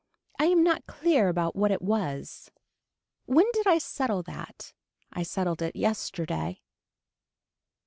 I am not clear about what it was. When did I settle that. I settled it yesterday.